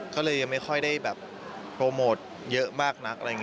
ก็เลยยังไม่ค่อยได้โปรโมทเยอะมากนัก